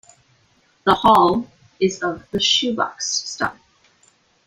The hall is of the shoebox style.